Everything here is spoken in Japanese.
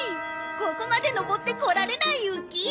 ここまで登ってこられないウッキー。